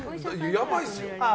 やばいですよ。